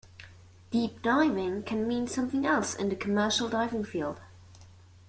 Deep diving can mean something else in the commercial diving field.